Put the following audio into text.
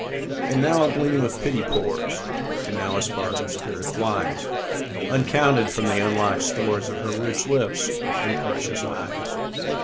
And now a gleam of pity pours, And now a spark of spirit flies, Uncounted, from the unlock'd storesOf her rich lips and precious eyes.